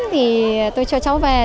thì tôi cho cháu về bơi